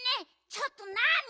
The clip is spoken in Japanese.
ちょっとなに？